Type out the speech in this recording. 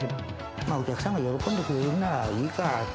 お客さんが喜んでくれるならいいかって。